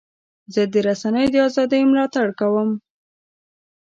زه د رسنیو د ازادۍ ملاتړ کوم.